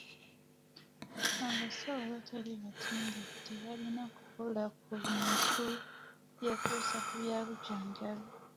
Abasawo abatali batendeke tebalina kukola ku bintu byekuusa ku bya bujjanjabi.